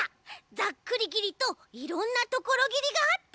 ざっくりぎりといろんなところぎりがあった！